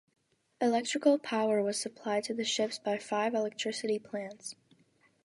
Electrical power was supplied to the ships by five electricity plants.